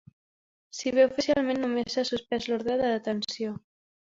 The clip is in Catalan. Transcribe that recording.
Si bé oficialment només s’ha suspès l’ordre de detenció.